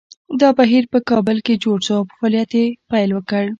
دا بهیر په کابل کې جوړ شو او فعالیت یې پیل کړ